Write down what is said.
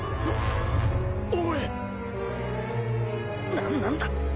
何なんだ